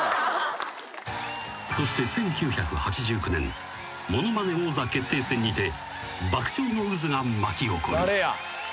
［そして１９８９年『ものまね王座決定戦』にて爆笑の渦が巻き起こる］